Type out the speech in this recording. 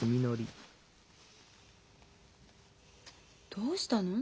どうしたの？